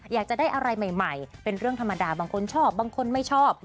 อยากจะได้อะไรใหม่เป็นเรื่องธรรมดาบางคนชอบบางคนไม่ชอบ